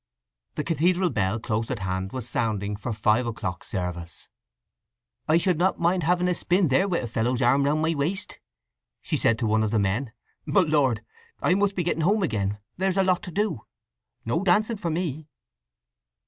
The cathedral bell close at hand was sounding for five o'clock service. "I should not mind having a spin there with a fellow's arm round my waist," she said to one of the men. "But Lord, I must be getting home again—there's a lot to do. No dancing for me!"